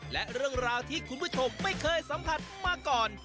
และเรื่องราวที่คุณผู้ชมไม่เคยสัมผัสมาก่อน